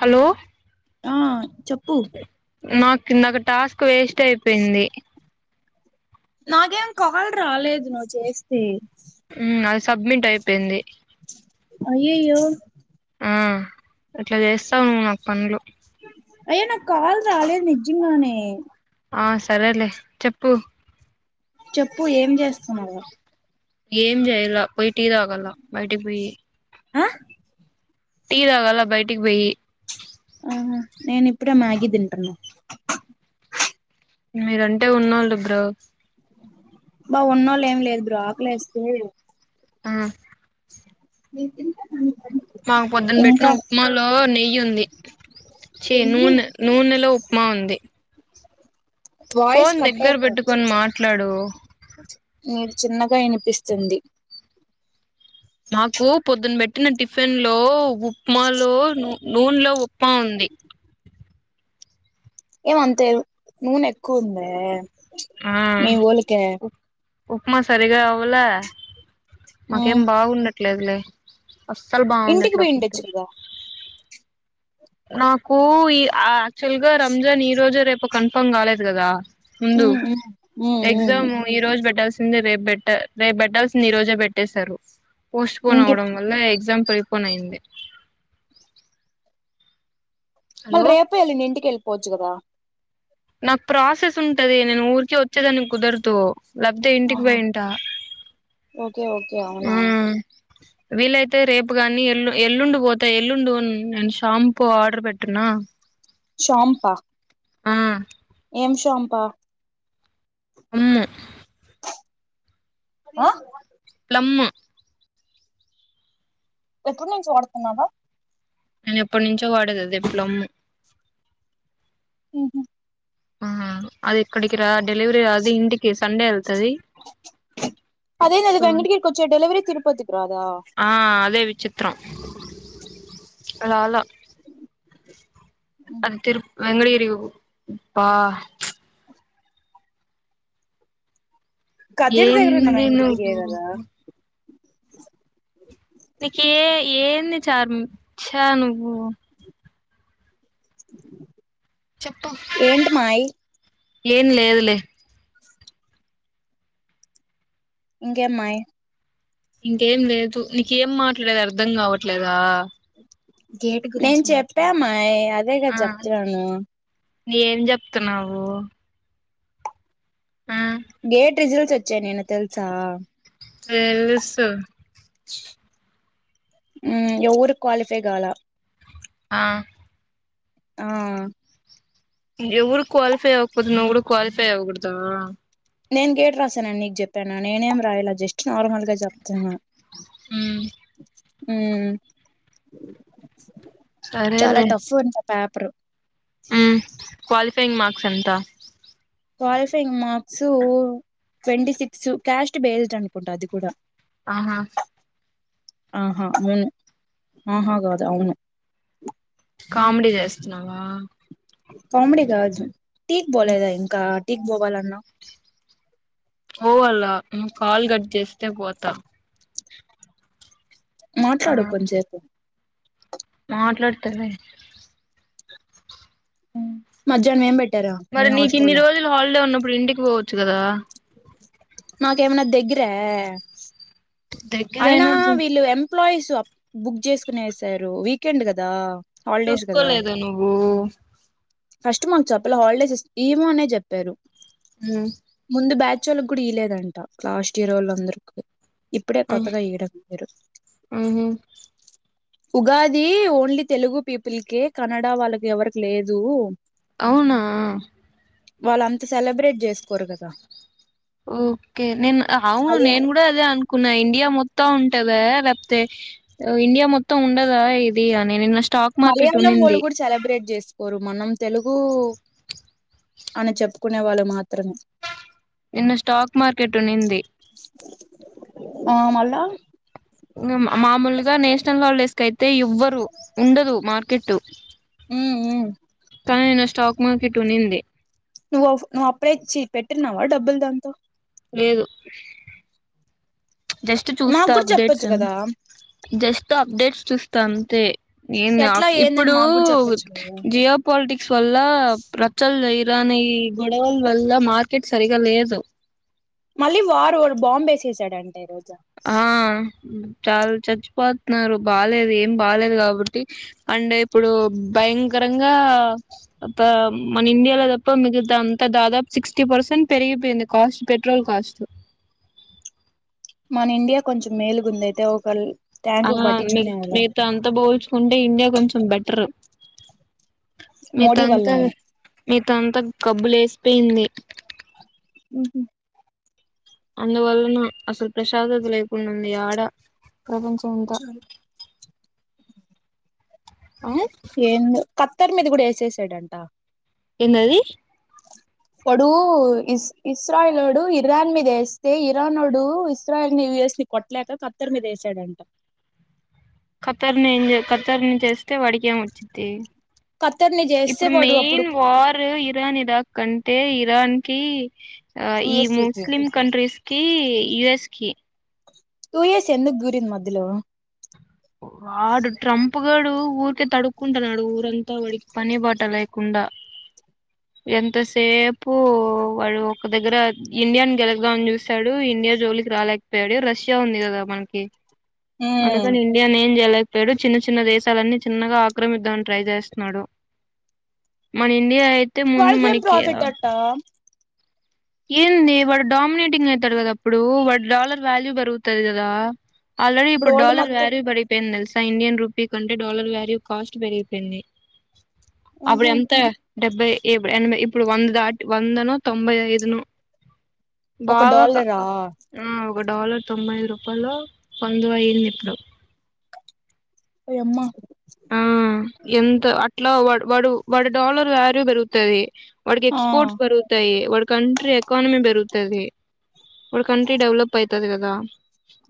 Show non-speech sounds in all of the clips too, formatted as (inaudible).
Hello ఆ చెప్పు నా కిన్నా క టాస్క్ వేస్ట్ అయిపోయింది నాకేం కాల్ రాలేదు నువ్వు చేస్తే అది సబ్మిట్ అయిపోయింది ఏయ్యో ఆ ఇట్లా చేస్తావు నువ నాకు పనులు అయ్య నా కాాల రాాలే నిజంగానేే ఆ సరేలే చెప్పు చెప్పు ఏం చేస్తున్నావు ఏం జయలా పోయిట్ ఇద ఆగల్ బయటికి పోయి ఆా టీదాగాాల బయటికి పోయి ఆహా నేను ఇప్పుడే మ్యాగీ తింటున్నా మీరంటే ఉన్నళ్ళు బ్రో బా ఉన్నోళ్ళు ఏం లేదు బ్రో ఆకులే వస్తే ఆ ద త మాకు పొద్దున పెట్టిన ఉప్మాలో నెయ్యి ఉంది చే నూనె నూనెలో ఉప్మా ఉంది వాయిస్ ఫోన్ కట్ దగ్గర పెట్టుకొని మాట్లాడు మీ చిన్నగా వినిపిస్తుంది నాకు పొద్దున్న పెట్టిన టిఫిన్ లో ఉప్మాలో నూనెలో ఉప్ప ఉంది ఏమంతే నూనె ఎక్కువ ఉంది ఆ ఉప్మా సరగా అవలే మాకేం ఉమ్ బాగుండట్ ఒకట్లాగలే అస్సలు ఇంటికి బాగుండట్లా పోయిండొచ్చు ఫుడ్డు కదా నాకు ఈ యాక్చువల్ గా రంజాన్ ఈ రోజు రేపు కన్ఫర్మ్ కాలేదు కదా ముందు ఉమ్ ఉమ్ ఉమ్ ఉమ్ ఎగ్జామ్ ఈ రోజు పెట్టల్స రేపుట్ట రేపు పెట్టాల్సింది ఈ రోజే పెట్టేేశారు పోస్ట్ పోన్ ఇంకెప్ అవడంల్ ఎక్జాల్ పొయిపోనాయింది మళ్ రేప ఎళ్ నింంటిుకిెళ్పు పోజుకుదా నాకు ప్రాసెస్ ఉంటది నేను ఊరికే వచ్చేదానికి కుదరతూ లబ్ధ ఇంటికి ఆహా పోయింట ఓకే ఓకే అవునా వీలైతే రేపు కాని ఎల్లు ఎల్లుండి పోతా ఎల్లుండు నేను షాంపూ ఆర్డర్ పెట్టినా చాంపా ఆ ఏం చంపా అమ్ము ఆ ప్లం ఎప్పుడు నుంచి వాడుతున్నావా నేను ఎప్పటి నుంచో వాడేది అదే ప్లం అది ఉహు అది ఇక్కడికి రా డెలివరీ రాదు ఇంటికి సండే వెళ్తది అదేంది అది సో వెంకటగిరి కొచ్చే డెలివరి తరుపతి కి రాధ త్రం రాలే అది తిరుప్ వెంగటగిరి అబ్బా ఉచు కదిరి దగ్గర ఉన్న ఏంది వెంకటగిరియే నువ్వు కదా నీకి ఏ ఏంది చర్మ చ్చ నువ్వు (inaudible) చెప్పు ఏంటి మాయ్ ఏం లేదులే ఇంకే మయ్ ఇంకేం లేదు నీకేం మాట్లాడేది అర్ధం కావట్లేదా గేట్ గురించి నేను చెప్పా మాయ్ అదే కదా ఆ చెప్తున్నాను ఏం చెప్తున్నావు ఆ గేట్ రిజల్ట్స్ వచ్చాయి నిన్న తెలుసా తెలుసు ఉ ఎవరు క్వాలిఫై కాలా ఆ ఆ ఎవరు క్వాలిఫై అవ్వకపోతే నువ్వు కూడా క్వాలిఫై ఆవు కూడదా నేను గేట్ రాశాను అని నీకు చెప్పాను నేనేమి రాయలే జస్ట్ నార్మల్ గా చెప్తున్నా ఉ ఊ చాలా టఫ్ అంట పేపర్ ఉ ఉ క్వాలి ఫెయింగ్ మార్క్స్ ఎంత qualifying marks twenty six caste based అనుకుంటా అది కూడా ఆహా ఆహా మూన ఆహా కాదు అవును కామెడీ చేస్తున్నావా కామెడి కాదు టీ కి పోలేదా ఇంకా టీ కి పోవాలా అన్న పో అలా ను కాల్ కట్ చేస్తే పోతా మాట్లాడు కొంంచేపు మాట్లాడుతుంది మధ్యాహ్నం ఏం పెట్టారా మీ హాస్టల్లా ఇప్పుడు ఇంటికి పోవచ్చు కదా నాకేమనా దగ్గర అయినా దగ్గరైనా వీళ్ళు ఎం ఎంప్లాయీస్ బుక్ చేసుకునే వసారు వీకెండ్ కదా హాలిడేస్ చూసుకోలేదు నువ్వు కస్ట్ మాకు చప్పల హాలిడేస్ ఏమో అనే చెప్పారు మ్. ముందు బ్యాచ్ వాళ్ళ కూడా ఈయలేదంట. లాస్ట్ ఇయర్ వాళ్ళ అందరుకు ఆ ఆహా ఉగాది ఓన్లీ తెలుగు పీపుల్కె, కన్నడ వాళ్ళకి ఎవరికి లేదు. అవునా వాళ్ళ అంత సెలబ్రేట్ చేసుకోరు కదా. ఓకే నేను అవును మలయా నేను కూడా అదే అనుకున్నా. ఇండియా మొత్తం అత్తా ఉంటదా లేకపోతే, ఇండియా మొత్తం ఉండదా. ఇది అని నేను నష్ట మలయాళం వాళ్ళు కూడా సెలబ్రేట్ చేసుకోరు. మనం తెలుగు అని చెప్పుకునే వాళ్ళు మాత్రమే. నిన్న స్టాక్ మార్కెట్ ఉనింది. ఆ మళ్ళ మామూలుగా నేషనల్ హాలిడేస్ కయితే ఎవ్వరు ఉండదు మార్కెట్. ఉ ఉ కాని నేను స్టాక్ మార్కెట్ ఉనింది. నువ్వు నువ్వుప్పుడే ఇచ్చి పెట్టిన్నావా డబ్బులు దాంతో. లేదు జస్ట్ మాకు చూస్తా కూడా అప్డేట్స్ చెప్పొచ్చు కదా ఏమన్నా జస్ట్ అప్డేట్స్ చూస్తా అంతే. నను ఎట్లా ఏందని ఇప్పుడు మాకు కూడా చెప్పొచ్చు కదా జియో పాలిటిక్స్ వల్ల రచ్చలు జరి ధానీ ఈ గొడవల వల్ల మార్కెట్ సరిగా లేదు. మళ్ళీ వారు బాంబ వేససాడంటే రోజు ఆ చాలా చచ్చిపోతున్నారు. బాలేదు ఏం బాలేదు. కాబట్టి అంటే ఇప్పుడు భయంకరంగా మన ఇండియాలో తప్ప మిగతా అంతా దాదాపు సిక్స్టీ పర్సెంట్ పెరిగిపోయింది. Cost petrol cost. మన ఇండియా కొంచెం మేలుగుంద అయితే ఒక ట్యాంకు ఆ మీ పట్టించుకునే వాళ్ళ మీతో అంత పోల్చుకుంటే ఇండియా కొంచెం బెటర్. మీ మోడీ తంత వల్లేమో మీ త్తంత గబ్బులేసిపోయింది. మ్ మ్ అందువల్లన అసల్ ప్రశాంతద లేద్ నుంది ఆడ ప్రపంచమంతా. ఆ ఏందో ఖత్తర్ మీద కుడా ఏసేసాడంట. ఎందది అప్పుడు ఇస్ ఇస్రాయలోడు ఇరాన్ మీద ఏస్తే, ఇరానోడు ఇస్రాయల్ యుఎస్ ని కొట్టలేక ఖత్తర్ మీద ఏసాడంట. కఖత్తరినిం కత్తరినుంచేస్తే వాడికేం ఒచ్చిద్ది. ఖత్తర్ ని చేస్తే ఇప్పుడు వాడు అప్పుడు మేయిన్ వార్ ఇరానిదా. కంటే ఇరాన్ కీ అ ఈ యుఎస్ కి ముస్లీం కంట్రీస్కి ఈ యుఎస్ కి యూఎస్ ఎందుక్ దురింది మధ్యలో వాడు ట్రంప్ తప్పగడు ఊరికే తడుక్కుంటున్నాడు ఊరంతా వాడికి పని బాట లేకుండా ఎంతసేపు వాడు ఒక దగ్గర ఇండియాను గెలదామని చూసాడు ఇండియా జోలికి రాలేకపోయాడు రష్యా ఉంది కదా మనకి మ్ అందుకని ఏం చేయలేకపోయాడు చిన్న చిన్న దేశాలన్నీ చిన్నగా ఆక్రమిద్దామని ట్రై చేస్తున్నాడు మన ఇండియా ఐత్ వాళ్ళకి ఏం ప్రాఫిట్ అట్టా ఏంది వాడు డామినేటింగ్ ఐతడు కద అప్పుడు వాడు డాలర్ వాల్యూ పెరుగుతది కదా ఆల్రెడీ ఇప్పుడు ఇప్పుడ్ వరల్డ్ డాలర్ మొత్తం వాల్యూ పెరిగిపోయింది తెల్స్ ఇండియన్ రూపి కంటే డాలర్ వాల్యూ కాస్ట్ పెరిగిపోయింది అప్పుడు ఉహు ఎంత డెబ్బై ఎనభై ఇప్పుడు వంద దాట్ వందనొ తొంభై ఐదు ను ఒక బాగ కక డాలరా ఒక డాలర్ తొంభై ఐదు రూపాల్లో వందో అయింది ఇప్పుడు ఒ యమ్మా ఎంత్ అట్ల వాడు వాడు డాలర్ వాల్యూ పెరుగుతది వాడికి ఆ ఎక్స్పోర్ట్స్ పెరుగుతాయీ వాడి కంట్రీ ఎకానమీ పెరుగుతుం తదీ వాడ్ కంట్రీ డెవలప్ ఐత్ తది కదా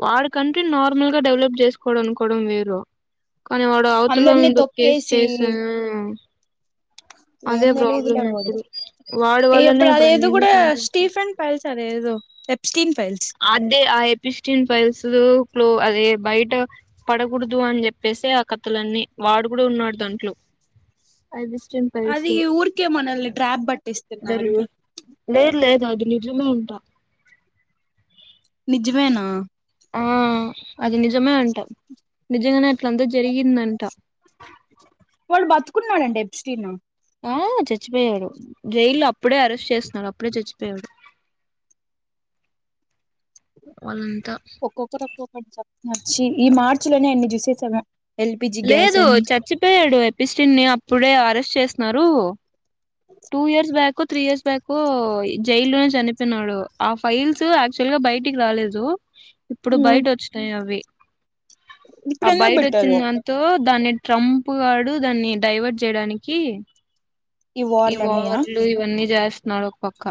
వాడ్ కంట్రి నార్మల్ గా డెవలప్ చేసుకోడం అనుకోవడం వేరు కనీ వాడు అందరినీ అవతలోండు ఎస్ తొక్కేసి చేసా అ ఏం తెలీదులే వాడికి వాడి వల్లనే ఇప్పుడు అదేదొ అన్ని కూడా కాంట్రవర్సీ స్టీఫన్ పైల్స్ సరే ఏ ఎప్టీన్ అదే ఆ ఫిస్న్ ఫైల్స్ క్లో అదే బయట పడకూడదు అని చెప్పేసి ఆ కథలన్నీ వాడు కూడా ఉన్నాడు దాంట్లో ఐబిస్టన్ ఫైల్స్ అది లో ఊరికే మనల్ని డ్రాప్ పట్టిస్తున్నారు ఆది నిజ్జమే అంట నిజ్వేనా ఆ అది నిజమే అంట నిజంగానే అట్ల అంతా జరిగిందంట కున్నానండి (unintelligible) ఆ చచ్చిపోయాడు జైల్లో అప్పుడే అరెస్ట్ చేస్తున్నాడు అప్పుడే చచ్చిపోయాడు వాళ ఒక్కొక్కరు ఒక్కొక్కటి చెప్ నచ్చి ఈ మార్చి లోనే అన్ని చూసేసావా లేదు చచ్చిపోయాడు ఎపిస్ని అప్పుడే బ్రెష్ చేస్తున్నారు two years back three years back జైలునే చనిపోినాడు ఆ ఫైల్స్ యాక్చువల్ గా బయటికి రాలేదు ఇప్పుడు మ్మ్ బయట వచ్చినాయి అవి ఇప్పుడు ఆ ఎందుకు బయట పెట్టారు వచ్చింది దాంతో దాన్ని ట్రంప్ గడు దాన్ని డైవర్ట్ చేయడానికి ఈ వార్లు ఇవన్నీ జాస్ స్తున్నాడు పక్క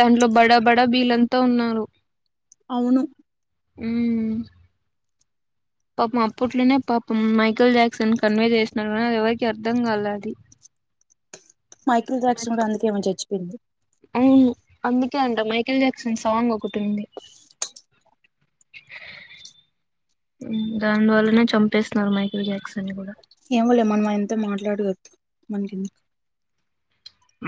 తంలో బడా బడా కూడా వీలంతా ఉన్నారు అవును ఉం పాపం అప్పట్లోనే పాపం మైకల్ జాక్సన్ కన్వే చేసినడు కానీ ఎవరికిీ అర్థం కాలది మైక్రోజాక్స్ కూడా అందుకే ఏమై చచ్చిపోయింది అవు అందుకే అంట మైకేల్ జాక్సన్ సాంగ్ ఒకటి ఉంది దానివల్లనే చంపేస్తున్నారు మైకిల్ జాక్సన్ కూడా ఏమోలే మనం అది అంత మాట్లాడవదు మన కెందుకు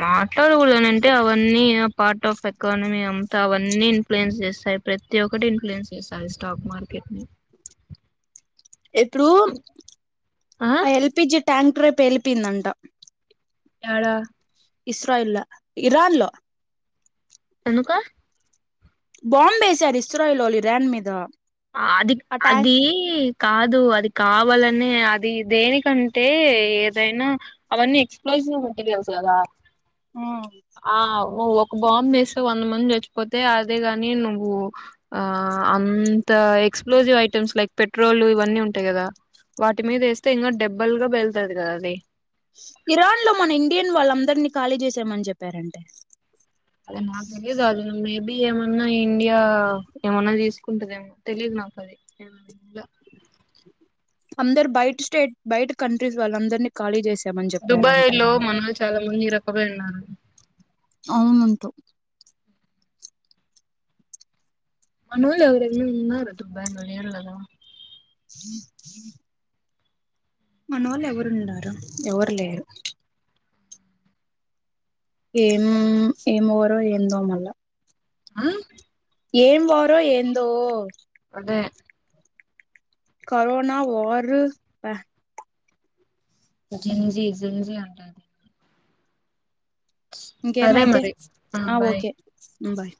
మాట్లాడకూడదన అంటే అవన్నీ ఆ పార్ట్ ఆఫ్ ఎకానమీ అంతా అవన్నీ ఇన్ఫ్లుయెన్స్ చేస్తాయి ప్రతి ఒక్కటి ఇన్ఫ్లుయెన్స్ చేస్తాయి స్టాక్ మార్కెట్ ని ఇప్పుడు ఆ ఎల్పిజి ట్యాంక్ ట్రె పేలిపిందంటా ఎడా ఇస్రాయల ఇరాన్ లో ఎందుకు బాంబ్ వేేశారు ఇస్రాయిల్లో ఇరాన్ మీద అది ఆ ట్యాంక్ అది కాదు అది కావాలని అది దేనికంటే ఏదైనా అవన్నీ ఎక్స్ప్లోజీవ్ మెంటీరియల్స్ కదా మ్మ్ ఆ ఒక బాంబ్ వేస్తే వంద మంది చచ్చిపోతే అదే గాని నువ్వు ఆ అం త ఎక్స్ప్లోజివ్ ఐటమ్స్ లైక్ పెట్రోల్ ఇవన్నీ ఉంటాయి కదా వాటి మీద వేస్తే ఇంకా డెబ్బల్ గా పెళ్తది కదా అది ఇరాన్ లో మన ఇండియన్ వాళ్ళందరినీ ఖాళీ చేసామని చెప్పారంటే అదే నా తెలియదు అది ది ఏమన్నా ఇండియా ఏమన్నా తీసుకుంటదేమో తెలీయదు నాకు అది అందర్బ బయట స్టేట్ బయట కంట్రీస్ వాళ్ళ అందరినీ ఖాళీ చేసి దుబాయ్ లో మనవాళ్ళు చాలా మంది ఇరక్కబోయి ఉన్నారు అవునంట మన వోల్లే రెవరన్న ఉన్నారటు బ్యాంగ్ లో లేరు గదా మన వాళ్ళు ఎవరున్నారు ఎవ్వరు లేరు ఏం ఏమవరో ఏందో మళ్ళా ఆ ఏం వారో ఏందో అదే కరోనా వారు ప్య జింజీ జింజీ అంటాది సరే ఇంకేమయితే మరి ఆ బాయ్ ఓకే మ్ బాయ్